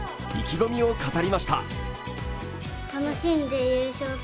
意気込みを語りました。